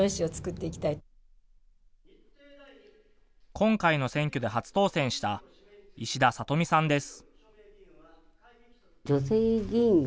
今回の選挙で初当選した石田里美さんです。